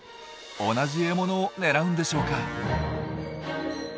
同じ獲物を狙うんでしょうか？